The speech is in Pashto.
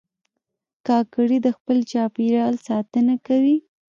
کاکړي د خپل چاپېریال ساتنه کوي.